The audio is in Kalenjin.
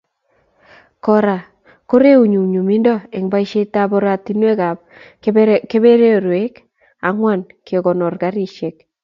Kora koreu nyumnyumindo eng boisyetab oratinweekab kebeberweek ang'wan, kekonor garisyek.